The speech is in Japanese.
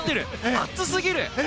熱すぎる。